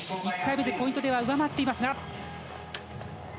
１回目でポイントでは上回っていますが。